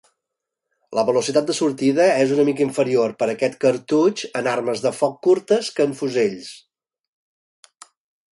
La velocitat de sortida és una mica inferior per a aquest cartutx en armes de foc curtes que en fusells.